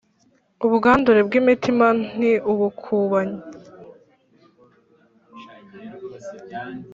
ubwandure bw’imitima n’ubukubanyi,